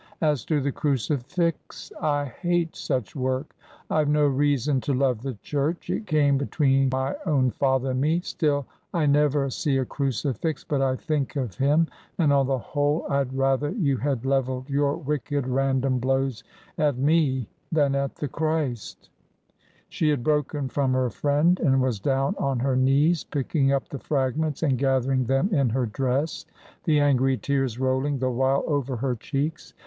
As to the crucifix — I hate such work. I've no reason to love the church, — it came between my own father and me — still, I never see a crucifix but I think of him; and, on the whole, Td rather you had levelled your wicked, random blows at me than at the Christ" She had broken from her friend and was down on her knees picking up the fragments and gathering them in her dress, the angry tears rolling the while over her cheeks.